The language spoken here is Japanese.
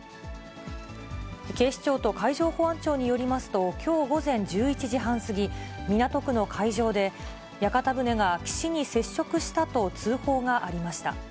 警視庁と海上保安庁によりますと、きょう午前１１時半過ぎ、港区の海上で屋形船が岸に接触したと通報がありました。